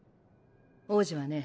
王子はね